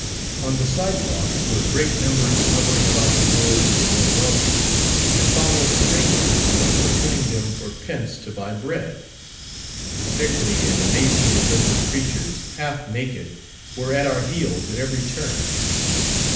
On the side walks, were great numbers hovering about the doors of the more wealthy, and following strangers, importuning them for "pence to buy bread." Sickly and emaciated looking creatures, half naked, were at our heels at every turn.